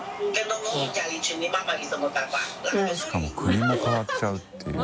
しかも国も変わっちゃうっていうね。